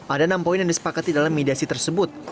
ada enam poin yang disepakati dalam mediasi tersebut